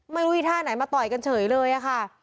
ไม่รู้ที่ท่าไหนมาต่อยกันเฉยเลยอะค่ะ